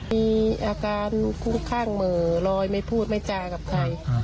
มีอาการคุ้มข้างเหม่อลอยไม่พูดไม่จากับใคร